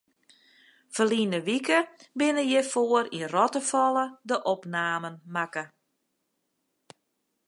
Ferline wike binne hjirfoar yn Rottefalle de opnamen makke.